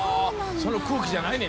その空気じゃないね